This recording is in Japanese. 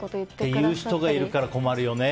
そういう人がいるから困るよね。